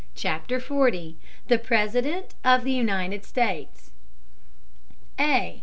CHAPTER XL THE PRESIDENT OF THE UNITED STATES A.